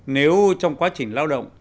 nếu trong quá trình lao động